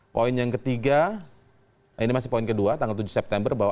poin yang ketiga ini masih poin kedua tanggal tujuh september bahwa